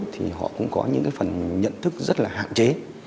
thì họ cũng có những cái phần nhận thức rất là hạn chế